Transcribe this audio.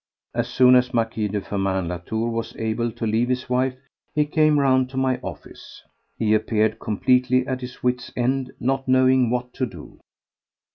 As soon as M. de Firmin Latour was able to leave his wife, he came round to my office. He appeared completely at his wits' end, not knowing what to do.